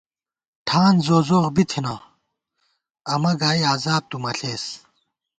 ٹھان زوزوخ بی تھنہ امہ گائی عذاب تُو مہ ݪېس